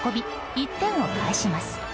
１点を返します。